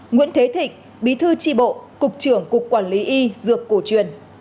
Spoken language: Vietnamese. nguyễn thế thịnh bí thư tri bộ cục trưởng cục quản lý y dược cổ truyền